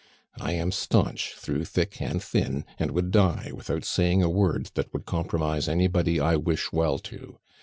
I am staunch through thick and thin, and would die without saying a word that would compromise anybody I wish well to.